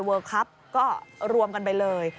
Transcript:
เวิร์คคับก็รวมกันไปเลย